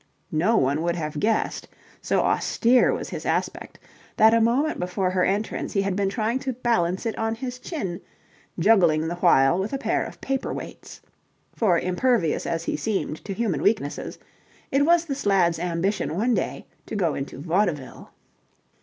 No one would have guessed, so austere was his aspect, that a moment before her entrance he had been trying to balance it on his chin, juggling the while with a pair of paper weights. For, impervious as he seemed to human weaknesses, it was this lad's ambition one day to go into vaudeville.